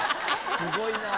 すごいな！